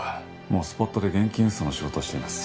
もうスポットで現金輸送の仕事をしています。